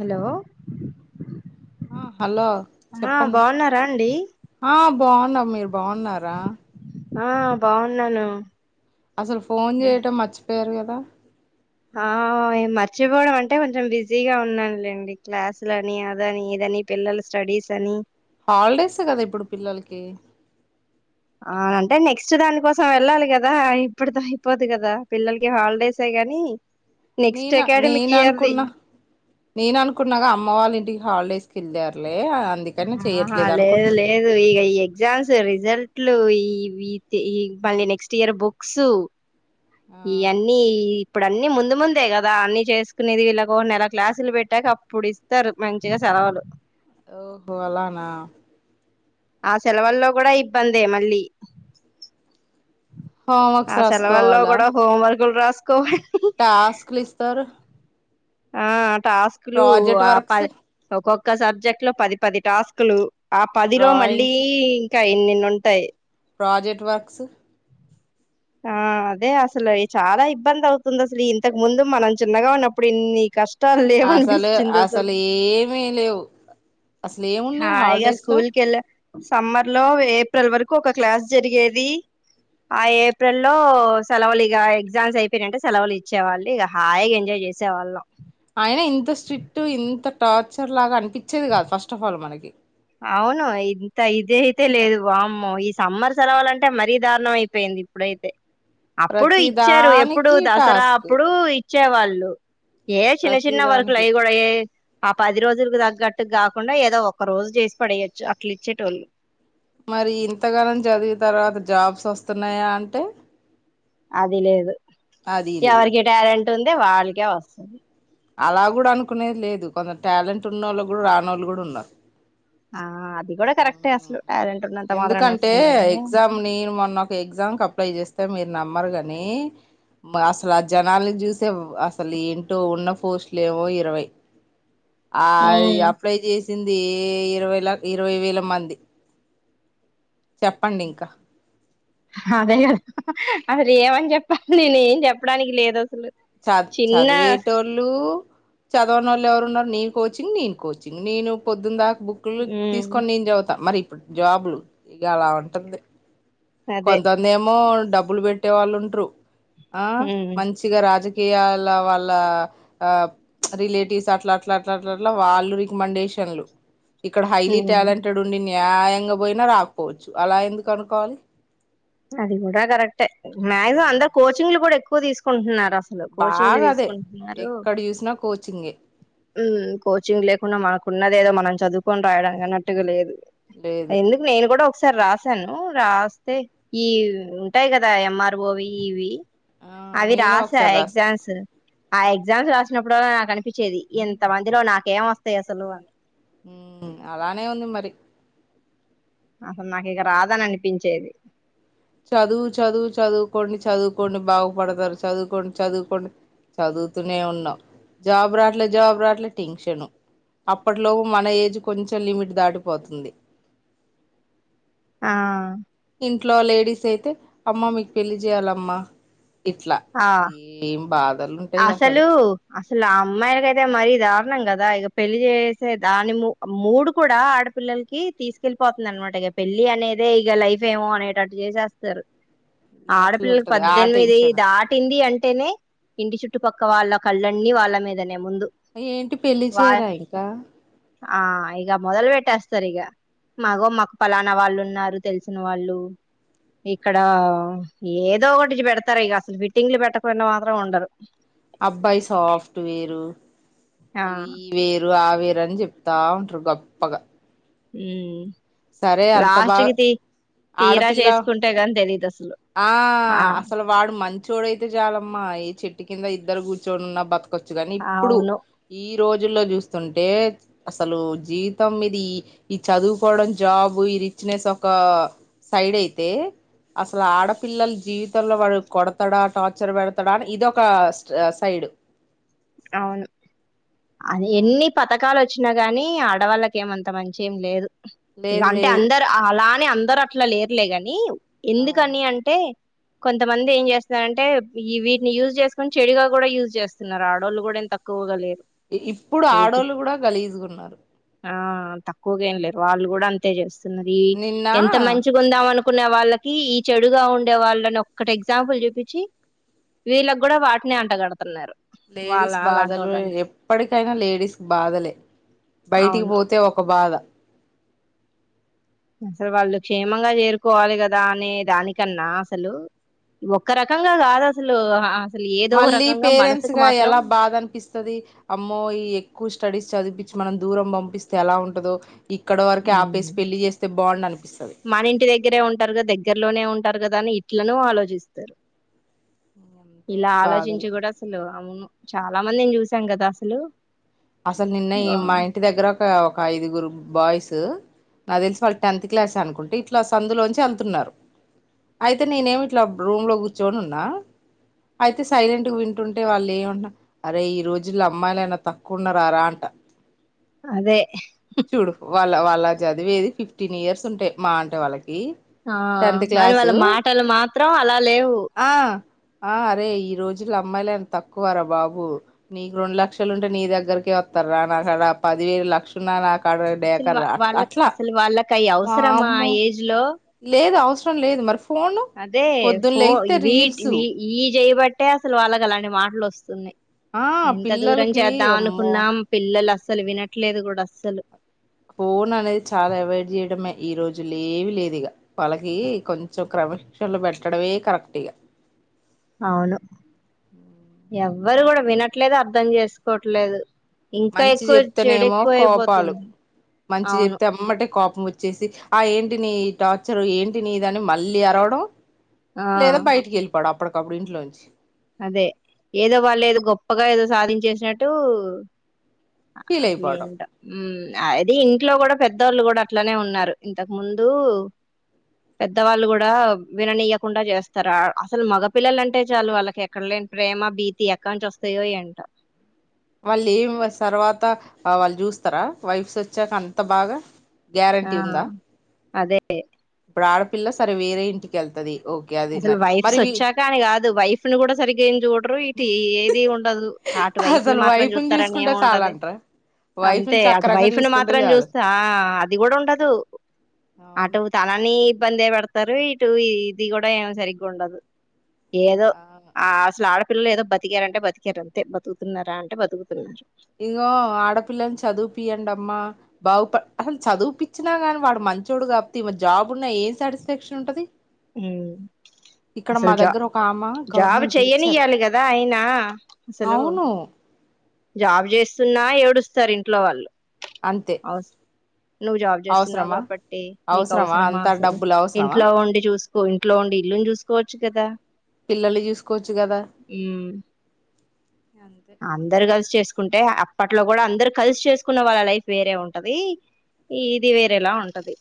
Hello ఆ hello! ఆ చెప్పండి? బాగున్నారా అండి ఆ బాగుండము మేము. బాగున్నారా? ఆ బాగున్నాను. అసలు ఫోన్ చేయటం మర్చిపో. చెప్పారు కదా! ఆ మర్చిపోవడం అంటే కొంచెం బిజీగా ఉన్నానులేండి, క్లాసులని అదని ఇదని పిల్లల స్టడీస్ అని. హాలిడేస్ కదా ఇప్పుడు పిల్లలకి. ఆ అంటే నెక్స్ట్ దాని కోసం వెళ్ళాలి కదా, ఇప్పుటి అయిపోదు కదా పిల్లలకి హాలిడేసే కాని. నెక్స్ట్ నేన అకాడమిక్ నేను ఇయర్ది. అనుకున్నా నేను అనుకున్నగా అమ్మ వాళ్ళ ఇంటికి హాలిడేస్ కి వెళ్ళారు ఆహా లేదు లేదు ఇక ఈ ఎగ్జామ్స్ రిజల్ట్లు ఈ వీతే ఈ మళ్ళీ నెక్స్ట్ ఇయర్ బుక్స్ ఈ ఆ అన్నీ యి ఇప్పుడు అన్ని ముందు ముందే కదా అన్ని చేసుకునేది వీళ్ళకు ఒక నెల క్లాసులు పెట్టాక అప్పుడు ఇస్తారు మంచిగా సెలవులు ఓహో అలానా ఆ సెలవుల్లో కూడా ఇబ్బందే మళ్ళీ ఆ హోంవర్క్స్ సెలవుల్లో కూడా హోంవర్క్లు రాస్ స్కో టాస్క్ లు ఇస్తారు ఆ టాస్కులు ప్రాజెక్ట్ ఆ వర్క్స్ పది ఒకక్ ఒక్క సబ్జెక్ట్ లో పది పది టాస్క్లు ఆ పదిలో మళ్ళీ డ్రాయింగ్స్ కా ఇన్నిన్ని ఉంటాయి ప్రాజెక్ట్ వర్క్స్ ఆ అదే అసలు చాలా ఇబ్బంది అవుతుంది అసలు ఇంతకు ముందు మనం చిన్నగా ఉన్నప్పుడు ఇన్ని కష్ అసలు అసలు ఏమీ లేవు అసలు ఏమున్నాయి హాయిగా హాలిడేస్ లో స్కూల్ కెల్లా సమ్మర్ లో ఏప్రిల్ వరకు ఒక క్లాస్ జరిగేది ఆ ఏప్రిల్ లో సెలవులు ఇగ ఎగ్జామ్స్ అయిపోయినంటే సెలవులు ఇచ్చేవాళ్ళు ఇగ హాయిగా ఎంజాయ్ చేసేవాళ్ళం అయినా ఇంత స్ట్రిక్ట్ ఇంత టార్చర్ లాగా అనిపిచ్చేది కాదు ఫస్ట్ ఆఫ్ ఆల్ మనకి అవును ఇంత ఇది అయితే లేదు వామ్మో ఈ సమ్మర్ సెలవాలంటే మరీ దారుణం అయిపోయింది ఇప్పుడైతే అప్పుడు ప్రతి ఇచ్చారు ఎప్పుడు దానికి దసరా టాస్క్ అప్పుడు ఇచ్ వచ్చేవాళ్ళు ఏ చిన్న ప్రతి చిన్న దానికి వర్కులయి కూడ ఏ ఆ పది రోజులకి తగ్గట్టు కాకుండా ఏదో ఒక రోజు చేస్ పడేయొచ్చు అట్లిచ్చేటోళ్ళు మరి ఇంతగానం చదివిన తర్వాత జాబ్స్ వస్తున్నాయా అంటే అది లేదు అది లేదు ఎవరికి టాలెంట్ ట్ ఉందో వాళ్ళకే వస్తది అలా కూడా అనుకునేది లేదు కొందరు టాలెంట్ ఉన్న వాళ్ళు కూడా రానోళ్ళు కూడా ఉన్నారు ఆ అద్ ది కూడా కరెక్టే అసలు టాలెంట్ ఉన్నంత మాత్రాన ఎందుకంటే వస్తుందా కానీ ఎగ్జామ్ నేను మొన్న ఒక ఎగ్జామ్ క అప్లై చేస్తే మీరు నమ్మరు కాని అసలు ఆ జనాలని చూసే అసలు ఏంటో ఉన్న పోస్టులు ఏమో ఇరవై ఆ అది ఉమ్ అప్లై చేస్ వచ్చింద ఇరవై ల ఇరవై వేల మంది చెప్పండి ఇంక అదే కదా అసలు ఏమని చెప్పాలి నేనేం చెప్పడానికి లేదు అసలు చ ద్ చిన్న చదివేటోళ్ళు చదవనోళ్ళు ఎవరున్నారు నేన్ కోచింగ్ నేన్ కోచింగ్ నేను పొద్దున్ దాక్ బుక్కులు ఉమ్ తీసుకొన్ నేన చదువుతా మరి ఇప్పుడు జాబ్లు ఇక అలా ఉంటుంది అదే కొందర్ నేమో డబ్బులు పెట్టేవాళ్ళుంట్రు ఆ ఉమ్ మంచిగ రాజకీ ఈయాళ వాళ్ళ రిలేటివ్స్ అట్ల అట్ల అట్ల అట్ల అట్లా వాళ్ళు రికమండేషన్లు ఇక్కడ హైలీ ఉమ్ టాలెంటెడ్ ఉండి నె న్యాయంగా పోయిన రాక్పోవచ్చు అలా ఎందుకు అనుకోవాలి అది కూడ కరెక్ట్ మక్సిమం ఉమ్, అందర్ కోచింగ్ లో కూడా ఎక్కు వ్ తీసుకుంటున్నారు అసలు కోచింగ్లు బాగా అదే తీసుకుంటున్నారు ఎక్కడ చూసినా కోచింగే ఉమ్ కోచింగ్ లేకుండా మనకున్న దేదో మనం చదువుకొన్ రాయడం అన్నట్టుగా లేదు లేదు ఎందుకు నేన్ కూడ ఒక్సారి రాసాను రాస్తే ఈ ఉంటాయి కదా ఎంఆర్ఓవి ఇవి ఆ అవి నేను రాశ ఒకసారి రాసా ఎగ్జామ్స్ ఆ ఎగ్జామ్స్ రాసినప్పుడు నాకు అనిపిచ్చేది ఇంత మందిలో నాకేం వస్తాయి అసలు అ ఉ అలానే ఉంది మరి అసల్ నాకిక రాదని అనిపించేది చదువు చదువు చదువుకోండి చదువుకోండి బాగుపడతారు చదువుకోండి చదువుకోండి చదువుతూనే ఉన్నావు జాబు రాట్లే జాబు రాట్లే టెన్షను అప్పట్లో మన ఏజ్ కొంచెం లిమిట్ దాటిపోతుంది ఆ ఇంట్లో లేడీస్ అయితే అమ్మా మీకు పెళ్లి చేయాలమ్మా ఇట్ల ఏం బాద్ ఆసలు అసలు ఆ అమ్మాయిలకైతే మరీ దారుణం కదా దా ఇక పెళ్లి చేసే దానిూ మూడు కూడ ఆడపిల్లలకి తీసుకెళ్లిపోతుందనమాట ఇక పెళ్లి అనేదే ఇక లైఫ్ ఏమో అనేటట్టు చేసేస్తారు ఇది అట్లా ఆడపిల్లలకు ఉంటది ఆ పద్దెన్మిది టెన్షన్ దాటింది అంటేనె ఇంటి చుట్టుపక్క వాళ్ళ కళ్ళన్ని వాళ్ళ మీదనె ఏ ముందు ఏంటి పెళ్లి వ చేయరా ఇంకా ఆ ఇగ మొదల్ ట్టేస్తారు ఇగ మాగో మాకు పలాన వాళ్ళు ఉన్నారు తెలిసిన వాళ్ళు ఇక్కడ ఏదో ఒకటి పెడతారు ఇగ అసలు ఫిట్టింగ్లు పెట్టకుండా మాత్రం ఉండరు అబ్బాయి సాఫ్ట్ వేరు ఆ ఈ వేరు ఆ వేర్ రని చెప్తా ఉంటురు గొప్పగా ఉ సరే అంత బాగా తీరా ఆడపిల్ల చేసుకుంటే గాని తెలీదు అసలు ఆ ఆ అసలు వాడు మం చోడయితే చాలమ్మా ఈ చెట్టు కింద ఇద్దరు కూర్చోనున్న బతు కచ్చు కానీ ఇప్పుడు అవును ఈ రోజుల్లో చూస్తుంటే అసలు జీవితం మీది ఈ చదువుకోవడం జాబు ఈ రిచ్నెస్ ఒక సైడ్ అయితే అసలు ఆడపిల్లల జీవితంలో వాడు కొడతాడా టార్చర్ పెడతాడా అని ఇదొ ఒక సైడు అవును అది వామ్మో ఎన్ని పథకాలు వచ్చినా కాని ఆడవాళ్ళకి ఏమంత మంచి ఏం లేదు ఇగ లేదు అంటే లేదు అందరు అలా నే అందరు అట్లా లేర్లే కని అవును ఎందుకని అంటే కొంతమంది ఏం చేస్తున్నంటే ఈ వీటిని యూజ్ చేసుకొని చెడుగా కూడా యూజ్ చేస్తున్నారు ఆడు అడోళ్ళు కూడా ఏం తక్కువుగ లేరు ఇప్పుడు చూపి ఆడోళ్ళు కూడా గలీసుగున్నారు ఆ తక్కువగా ఏం లేరు వాళ్ళు కూడా అంతే చేస్ సున్నది ఎంత నిన్న మంచిగా ఉందాం అను కునే వాళ్ళకి ఈ చెడుగా ఉండే వాళ్ళని ఒక్కటి ఎగ్జాంపుల్ చూపించి వీళ్ళకి కూడా వాటిని అంటగడుతున్నారు వాళ్ళ లేడీస్ బాధలు అలాంటోళ్ళని ఎప్పటికైనా లేడీస్కు బాధలే బయటికి అవును పోతే ఒక బాధ అసలు వాళ్ళు క్షేమంగా చేరుకోవాలి కదా అనే దానికన్నా అసలు ఒక్క రకంగా కాదు అసలు ఆ మళ్ళీ పేరెంట్స్ గా ఎలా బాధ అనిపిస్తది అమ్మో ఈ ఎక్కువ స్టడీస్ చదిపి మనం దూరం పంపిస్తే ఎలా ఉంటదో ఇక్కడ వరకే ఉ ఆపేసి పెళ్లి చేస్తే బాగుండు అనిపిస్తది మన ఇంటి దగ్గరే ఉంటారుగా దగ్గరలోనే ఉం అంటారు కదా అని ఇట్లనో ఆలోచిస్తారు అంతే ఇలా ఆలోచించి బాధలు కూడా అసలు అవును చాలా మందినీ చూసాం కదా అసలు అసలు నిన్న ఈ ఆ మా ఇంటి దగ్గర ఒక ఒక ఐదుగురు బాయ్స్ తు నా తెలిసి వాళ్ళు టెన్త్ క్లాస్ అనుకుంటే ఇట్లా సందులోంచి వెళ్తున్నారు అయితే నేనేమి ఇట్లా రూమ్ లో కూర్చొని ఉన్నా అయితే సైలెంట్గా వింటుంటే వాళ్ళు ఏమంటు అరే ఈ రోజుల్లో అమ్మాయిలయినా త కున్నరరా అంట అదే చూడు వాళ్ళ వాళ్ళ చదివేది ఫిఫ్టీన్ ఇయర్స్ ఉంటాయి మా అంటే వాళ్ళకి ఆ టెన్త్ అని వాళ్ళ క్లాసు మాటలు మాత్రం అలా లేవు ఆ ఆ అరే ఈ రోజుల్లో అమ్మాయిలేం తక్కువరా బాబు నీకు రెండు లక్షలుంటే నీ దగ్ దగ్గరికే వత్తార్ర నా కడ పదివేలు లక్షలున్నా నాకు కాడ డేకరూ రా అట్ల అట్లా కయవసరమా ఏజ్ లో లే లేదు అవసరం లేదు మరి ఫోను అదే పొద్దున్న ఫో లేగితే వీట్ రీల్సు ఈ ఇయ్యి చెయ్ బట్టి ట్టే అసలు వాళ్ళకి అలాంటి మాటలు వస్తున్నాయి ఆ ఎంత దూరం పిల్లలకి చేద్దాం అమ్మో అనుకున్నాం పిల్లలు అస్ అస్సలు వినట్లేదు కూడా అస్సలు ఫోన్ అనేది చాలా అవాయిడ్ చేయడమే ఈ రోజుల్ ఏవి లేదు ఇగ వాళ్ళకి కొంచెం క్రమశిక్షణలో పెట్టడమే కరెక్ట్ ఇగ అవును ఎవ్ వ్వరు కూడా వినట్లేదు అర్ధం చేసుకోవట్లేదు ఇంకా మంచి ఎక్కువ చెడు చెప్తేనేమో ఎక్కువ కోపాలు అయిపోతుంది మంచి అవును చెప్తే ఎమ్మటే కోప్ వచ్చేసి ఆ ఏంటిని టార్చర్ ఏంటిని దని మళ్ళీ అరవడం ఆ లేదా బయటికి ఎళ్ళిపడప్ అప్పటికప్పుడు ఇంట్లోంచి అదే ఏదో వాళ్ళు ఏదో గొప్పగా ఏదో సాధించేసినట్టు అ ఫీల్ అసలు అయిపోవడం ఏంటో ఉ అది ఇంట్లో కూడా పెద్దోళ్ళు కూడా అట్లనే ఉన్నారు ఇంతకు ముందు పెద్దవాళ్ళు కూడా విననీయకుండా చేస్తారు అ అసలు మగపిల్లలు అంటే చాలు వాళ్ళ ఎక్కడ లేని ప్రేమ భీతి ఎక్క నుంచి వస్తాయో ఏంటో వాళ్ళు ఏం తర్వాత వాళ్ళు చూస్తారా వైఫ్స్ వచ్చాక అంత బాగా ఆ గ్యారంటీ ఉందా అదే ఏ ఇప్పుడు ఆడపిల్ల సరే వేరే ఇంటికి ఎళ్తది అసలు వైఫ్స్ ఒచ్చాక అని కాదు వైఫ్ ని కూడా సరిగ్గా ఏం చూడరు ఇటు ఏది ఉండదు అటు వైఫ్ ని అసలు మాత్రం వైఫ్ని జూత్తరని ఏం చూసుకుంటే ఉంటది చాలంటారా వైఫ్ని అంతే అటు చక్కరంగా వైఫ్ ని చూసుకుంటే మాత్రం చాలు చూస్తా ఆ అది కూడా ఉండదు అవును అటు తననీ ఇబందే పెడతారు ఇటు ఈ ది కూడా డెమా సరిగుండదు ఏదో ఆ ఆ అసలు ఆడ పిల్లలు ఏదో బతికారంటే బతికారు అంతే బతుకుతున్నారా అంటే బతుకుతున్నారు ఇంగో బాగు ప అసలు చదువుపిచ్చినా గాని వాడు మంచిడు కాప్తే ఈమ జాబ్ ఉన్నా ఏం సాటిస్ఫాక్షన్ ఉంటది ఊ ఇక్కడ మా అసలు జా దగ్గర ఒక ఆమ జాబ్ గవర్నమెంట్ టీచరు చెయనియ్యాలి కదా అయినా అసలు అవును జాబ్ చేస్తున్నా ఏడుస్తారు ఇంట్లో వాళ్ళు అంతే అవస్ నువ్వు జాబ్ చేస్తున్నావు అవసరమా కాబట్టి నీకు అవసరమా అంత అసలు డబ్బులు అవసరమా ఇంట్లో వండి చూస్ స్కు ఇంట్లో ఉండి ఇల్లుని చూసుకోవచ్చు కదా పిలల్ని చూసుకోవచ్చు కదా ఉమ్ అంతే అందరు కలిసి చేసుకుంటే అప్పట్లో కూడా అందరు కలిసి చేసుకున్న వాళ్ళ లైఫ్ వేరే ఉంటది ఇది వేరేలా ఉంటది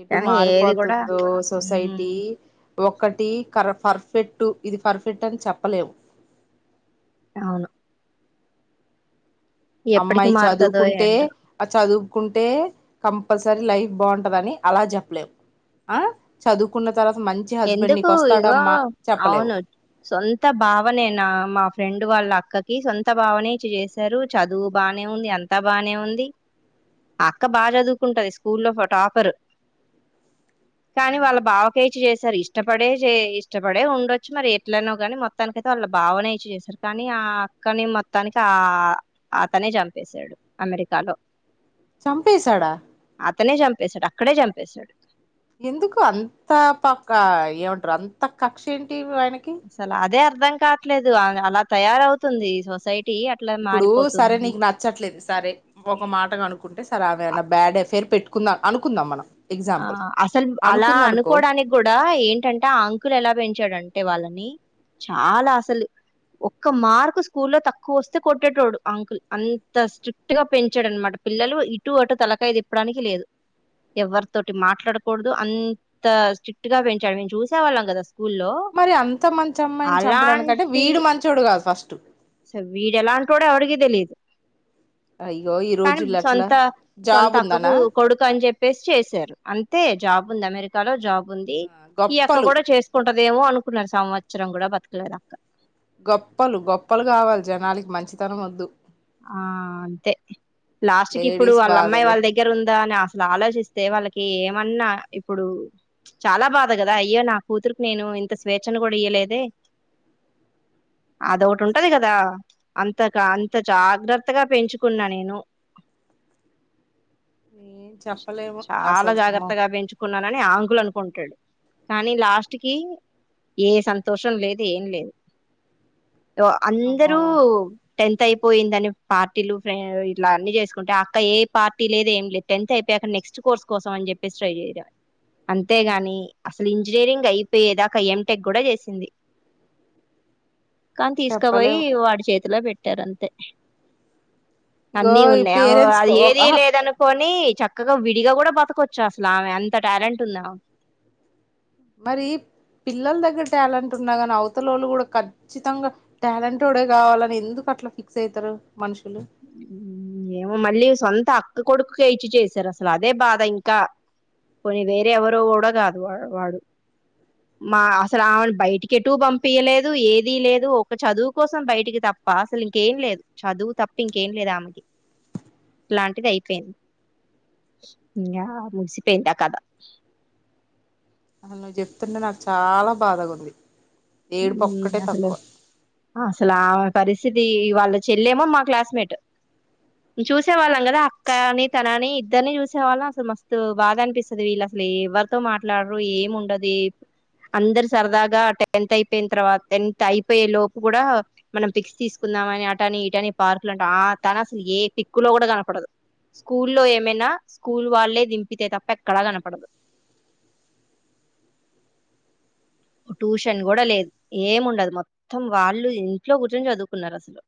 ఎటు కానీ ఏది కూడా మారిపోతుందో సొసైటీ ఉమ్ ఒకటి కర్ పర్ఫెక్ట్ ఇది పర్ఫెక్ట్ అని చెప్పలేము అవును ఎప్పటికి అమ్మాయి మారుతదో చదువుకుంటే ఏంటో ఆ చదువుకుంటే కంపస్ లైఫ్ బాగుంటదిని అలా చెప్పలేవు అ చదువుకున్న తర్వాత మంచి హస్బెండ్ ఎందుకు నీకు ఇగో వస్తాడమ్మా చెప్పలేవు అవును సొంత భావనేనా మా ఫ్రెండ్ వాళ్ళ అక్కకి సొంత బావనే ఇచి చేసారు చదువు బానే ఉంది అంత బానే ఉంది అక్క బా చదువుకుంటది స్కూ లో టాపర్ కానీ వాళ్ళ బావకచి చేస్ సారి ఇష్టపడే ఇష్టపడే ఉండొచ్చు మరి ఎట్లనా కాని మొత్తానికైతే వాళ్ళ బావనే ఇచ్చి చేసారు కానీ ఆ అక్కని మొత్తానికి ఆ అతనే చంపేశాడు అమెరికాలో చంపేసడా అతనే చంపేశాడు అక్కడే చంపేశాడు ఎందుకు అంత పక్క ఏమంటారు అంత కక్ష ఏం ఏంటి వాడికి అసలు అదే అర్థం కావట్లేదు అ అలా తయారవుతుంది సొసై ఇప్పుడు సరే నీకు నచ్చట్లేదు సరే ఒక మాటగా అనుకుంటే [unintelligible] బ్యాడ్ అఫైర్ పెట్టుందాం అనుకుందాం మనం ఆ ఎగ్జాంపుల్ అసలు అలా అనుకుందనుకో అనుకోవడానికి కూడా ఏంటంటే ఆ అంకులు ఎలా పెంచాడంటే వాళ్ళ చాలా అసలు ఒక్క మార్కు స్కూల్లో తక్కువ వస్తే కొట్టేటోడు అంకుల్ అంత స్ట్రిక్ట్ గా పెంచాడు అనమాట పిల్లలు ఇటు అటు తలకాయిదు ఇప్పడానికి లేదు ఎవర్ తోటి మాట్లాడకూడదు అంత స్ట్రిక్ట్ గా పెంచాడు మేము చూసేవాళ్ళం కదా అ మరి అంత మంచి అమ్మాయిని చంపడానికంటే వీడు మంచోడు కాదు ఫస్ స వీడ ఎలాంతోడో ఎవరికి తెలిదు అయ్యో ఈ కానీ రోజుల్లో అట్లా సొంత జాబ్ సొంత అక్కకు ఉందనా కొడుకు అని చెప్పేసి చేసారు అంతే జాబ్ ముందు అమెరికాలో జబ్ ఉంది ఈ అక్క గొప్పలు కూడా చేసుకుం అదేమో అనుకున్నారు సంవత్సరం కూడా బతకలే అక్క గొప్పలు గొప్పలు కావాలి జనాలకి మంచితనం వద్దు ఆ అంతే లాస్ట్కి ఇప్పుడు లేడీస్ వాళ్ళ అమ్మాయి బాధలు వాళ్ళ దగ్గర ఉందా అన అసలు ఆలోచిస్తే వాళ్ళకి ఏమన్నా ఇప్పుడు చాలా బాధ కదా అయ్యో నా కూతురుకి నేను ఇంత స్వేచ్ఛను కూడా ఇయలేదే అద ఒకటి ఉంటది కదా అంత క అంత జాగ్రత్తగా పెంచుకున్నా నేను ఏం చెప్పలేము చాలా అసలు అమ్మో జాగ్రత్తగా పెంచుకున్నానని ఆ ఆంకుల అ ంటాడు కానీ లాస్ట్ కి ఏ సంతోషం లేదు ఏం లేదు అ అమ్మో అందరూ టెన్త్ అయిపోయిందని పార్టీలు ఇలా అన్ని చేసుకుంటే అక్క ఏ పార్టీ లేదు ఏం లేదు టెన్త్ అయిపోయాక నెక్స్ట్ కోర్స్ కోసం అని చెప్పేసి ట్రై చే అంతే గాని అసలు ఇంజనీరింగ్ అయిపోయేదాక ఎం టెక్ కూడా చేసింది కానీ తీసుకపోయి చెప్పలేము వాడి చేతిలో పెట్ [unintelligible] ట్టారంతే ఇగో అన్నీ ఈ ఉన్నాయి పేరెంట్స్ అది ఏది ఆహా లేదనుకోని కానీ చక్కగా విడిగా కూడా బతకవచ్చు అసలు ఆమె అంత టాలెంట్ ఉందా మరి పిల్లల దగ్గర టాలెంట్ ఉన్నా గా నీ అవతలొల్లు గుడా ఖచ్చితంగా టాలెంటో డే కావాలని ఎందుకు అట్లా ఫిక్స్ అయితారు మనుషులు ఏమో మళ్ళీ సొంత అక్క కొడుకుకే ఇచ్చి చేసారు అసలు అదే బాధ ఇంకా కొన్ని వేరే ఎవరో కూడా కాదు వాడు మా అసలు ఆమెను బయటికి ఎటటు పంపయలేదు ఏదిీ లేదు ఒక చదువు కోసం బయటికి తప్ప అసలు ఇంకేం లేదు చదువు తప్ప ఇంకేం లేదు ఆమెకి ఇలాంటిది అయిపోయింది ఇంగ ముగిసిపోయింది ఆ కధ అసలు నువ్వు చెప్తుంటే నాకు చాలా బాధగా ఉంది ఉ ఏడుపు ఒక్కటే అసలు తక్కువ ఆ అసలు ఆమే పరిస్థితి వాళ్ళ చెల్లేమో మా క్లాస్మేట్ చూసే వాళ్ళం కదా అక్క అని తన అని ఇద్దరిని చూసే వాళ్ళం అసలు మస్తు బాధ అనిపిస్తుది వీళ్ళు అసలు ఎవరితో మాట్లాడరు ఏం ఉండదు అందరు సరదాగా టెన్త్ అయిపోయిన తర్వాత టెన్త్ అయిపోయే లోపు కూడా మనం పిక్స్ తీసుకుందామని అటని ఇటని పార్కులు అంట ఆ తను అసలు ఏ పిక్కు లో కూడా కనపడదు స్కూల్ లో ఏమైనా స్కూల్ వాళ్ళే దింపితే తప్ప ఎక్కడా కనపడదు ట్యూషన్ కూడా లేదు ఏముండదు మొత్తం వాళ్ళు ఇంట్లో కూర్చని చదువుకున్నారు అసలు